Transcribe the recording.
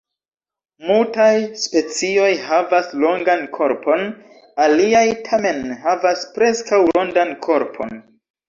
Multaj specioj havas longan korpon, aliaj tamen havas preskaŭ rondan korpon.